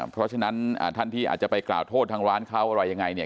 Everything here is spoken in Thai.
เพราะฉะนั้นท่านที่อาจจะไปกล่าวโทษทางร้านเขาอะไรยังไงเนี่ย